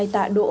hai tạ đỗ